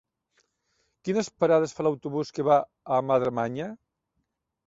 Quines parades fa l'autobús que va a Madremanya?